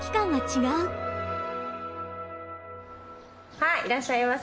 はいいらっしゃいませ。